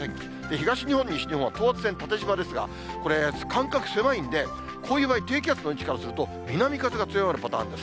東日本、西日本は等圧線が縦じまですが、これ、間隔狭いんで、こういう場合、低気圧の位置からすると、南から強まるパターンです。